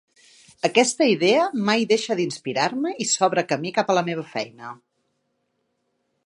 Aquesta idea mai deixa d'inspirar-me i s"obre camí cap a la meva feina.